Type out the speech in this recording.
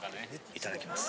いただきます。